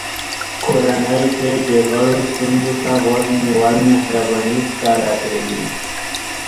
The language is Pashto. کورنۍ کې د غړو ستونزو ته غوږ نیول مهرباني ښکاره کوي.